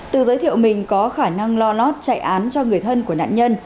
từ giới thiệu mình có khả năng lo lót chạy án cho người thân của nạn nhân